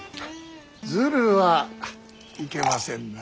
ずるはいけませんな。